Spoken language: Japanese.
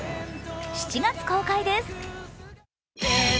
７月公開です。